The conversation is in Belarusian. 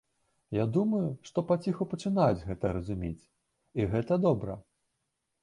Я думаю, што паціху пачынаюць гэта разумець, і гэта добра.